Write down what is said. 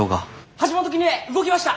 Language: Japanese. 橋本絹江動きました！